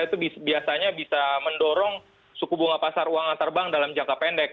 itu biasanya bisa mendorong suku bunga pasar uang antar bank dalam jangka pendek